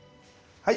はい。